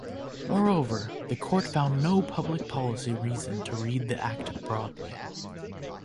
Moreover, the Court found no public policy reason to read the Act broadly.